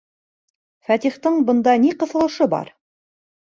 Фәтихтең бында ни ҡыҫылышы бар?